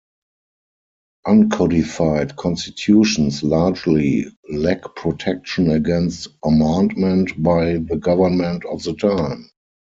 Uncodified constitutions largely lack protection against amendment by the government of the time.